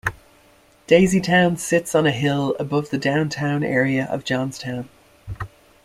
Daisytown sits on a hill above the downtown area of Johnstown.